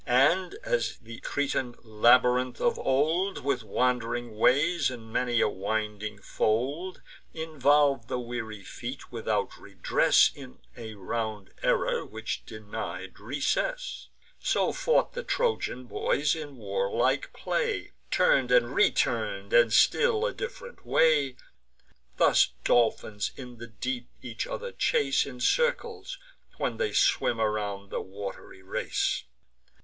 And, as the Cretan labyrinth of old, With wand'ring ways and many a winding fold, Involv'd the weary feet, without redress, In a round error, which denied recess; So fought the Trojan boys in warlike play, Turn'd and return'd, and still a diff'rent way. Thus dolphins in the deep each other chase In circles, when they swim around the wat'ry race.